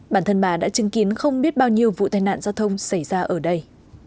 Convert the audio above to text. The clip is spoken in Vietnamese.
bản thân bà đã chứng kiến không biết bao nhiêu vụ tai nạn giao thông xảy ra ở đây